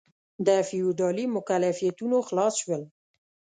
د فیوډالي مکلفیتونو خلاص شول.